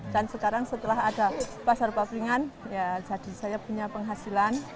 dan sekarang setelah ada pasar papringan ya jadi saya punya penghasilan